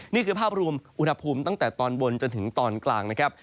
นี่คือภาพรวมอุณหภูมิตั้งแต่ตอนบนจนถึงตอนกลางนะครับ